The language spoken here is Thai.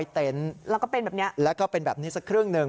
๒๐๐เต็นต์แล้วก็เป็นแบบนี้สักครึ่งหนึ่ง